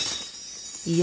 いや。